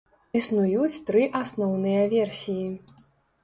Існуюць тры асноўныя версіі.